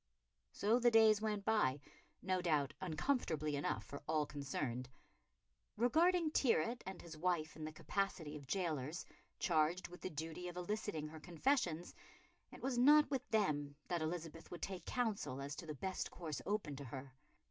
So the days went by, no doubt uncomfortably enough for all concerned. Regarding Tyrwhitt and his wife in the capacity of gaolers, charged with the duty of eliciting her confessions, it was not with them that Elizabeth would take counsel as to the best course open to her.